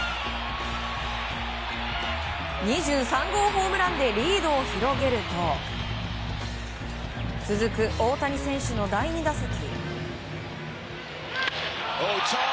２３号ホームランでリードを広げると続く大谷選手の第２打席。